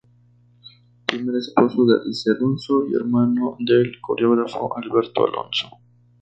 Primer esposo de Alicia Alonso y hermano del coreógrafo Alberto Alonso.